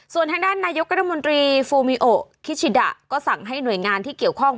ส่วนทางด้านนายกรัฐมนตรีฟูมิโอคิชิดะก็สั่งให้หน่วยงานที่เกี่ยวข้อง